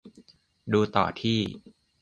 ดูต่อที่